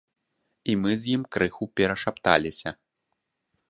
І мы з ім крыху перашапталіся.